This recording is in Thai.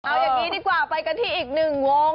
เอายังงี้ดีกว่าไปกันที่อีก๑วง